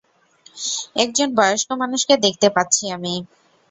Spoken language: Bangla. একজন বয়স্ক মানুষকে দেখতে পাচ্ছি আমি।